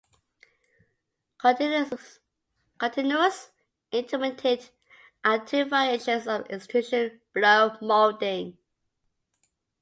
Continuous and Intermittent are two variations of Extrusion Blow Molding.